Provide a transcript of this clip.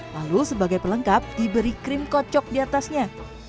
lalu sebagai pelengkap diberi krim kocok diatasnya